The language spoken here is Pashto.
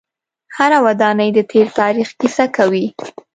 هره ودانۍ د تیر تاریخ کیسه کوي.